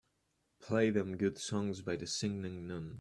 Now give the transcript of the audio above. Play them good songs by The Singing Nun